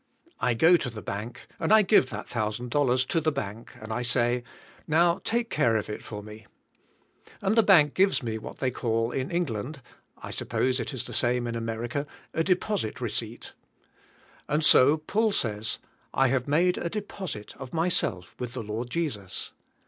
I go to the bank and I give that thousand dollars to the bank, and I say, "Now take care of it for me." And the bank gives me what they call, in England — I suppose it is the same in America — a deposit receipt. And so Paul says, ' 'I made a deposit of myself with the Lord Jesus."